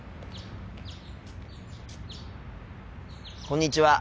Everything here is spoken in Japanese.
こんにちは。